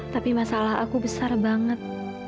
tapi masalah aku besar banget